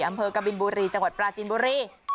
อำเภอกบินบุรีจังหวัดปราจีนบุรี